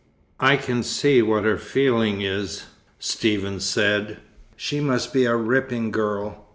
"I can see what her feeling is," Stephen said. "She must be a ripping girl."